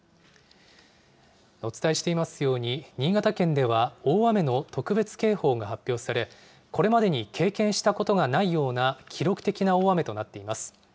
お伝えしていますように、新潟県では、大雨の特別警報が発表され、これまでに経験したことがないような記録的な大雨となっています。